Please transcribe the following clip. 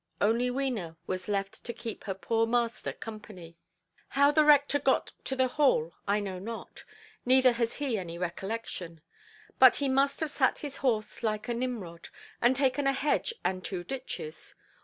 Only Wena was left to keep her poor master company. How the rector got to the Hall I know not, neither has he any recollection; but he must have sat his horse like a Nimrod, and taken a hedge and two ditches.